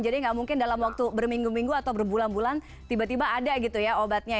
jadi nggak mungkin dalam waktu berminggu minggu atau berbulan bulan tiba tiba ada gitu ya obatnya ya